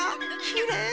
きれい。